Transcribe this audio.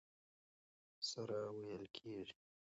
سره وېل کېږي.